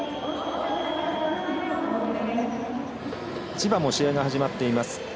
千葉も試合が始まっています。